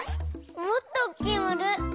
もっとおっきいまる！